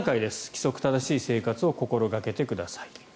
規則正しい生活を心掛けてください。